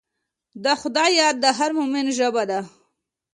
د خدای یاد د هر مؤمن ژبه ده.